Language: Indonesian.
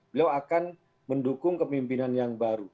beliau akan mendukung kepimpinan yang baru